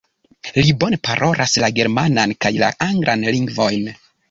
Li bone parolas la germanan kaj la anglan lingvojn.